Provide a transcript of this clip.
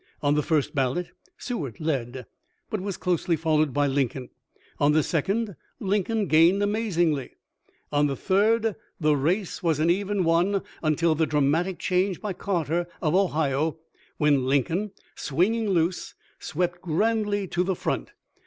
On the first ballot Seward led, but was closely followed by Lincoln ; on the second Lin coln gained amazingly ; on the third the race was an even one until the dramatic change by Carter, of Ohio, when Lincoln, swinging loose, swept grandly to the front.